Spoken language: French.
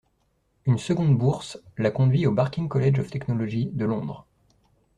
Une seconde bourse la conduit au Barking College of Technology de Londres.